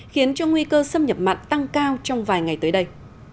khiến cho nguy cơ xâm nhập mặn tăng cao trong vài ngày tới đây